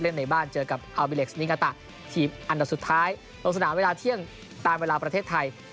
ในบ้านเจอกับอัลบิเล็กสนิงาตะทีมอันดับสุดท้ายลงสนามเวลาเที่ยงตามเวลาประเทศไทย